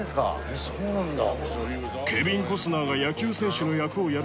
えっそうなんだ。